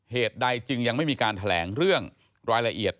เหตุใดจึงยังไม่มีการแถลงเรื่องรายละเอียด